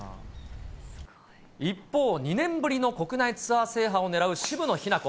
一方、２年ぶりの国内ツアー制覇を狙う渋野日向子。